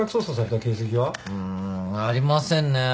うんありませんね。